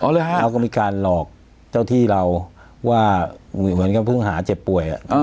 เขาก็มีการหลอกเจ้าที่เราว่าเหมือนกับเพิ่งหาเจ็บป่วย